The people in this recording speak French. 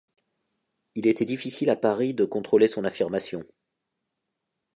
Il était difficile à Paris de contrôler son affirmation.